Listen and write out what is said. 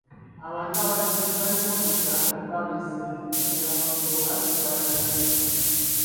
Abantu balina okuyiga okuba baeesimbu naddala mu nsonga ezikwatagana ne ssente.